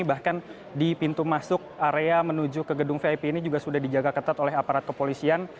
bahkan di pintu masuk area menuju ke gedung vip ini juga sudah dijaga ketat oleh aparat kepolisian